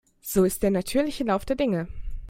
So ist der natürliche Lauf der Dinge.